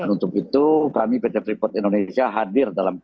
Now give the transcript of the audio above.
untuk itu kami pt freeport indonesia hadir dalam cop dua puluh tujuh ini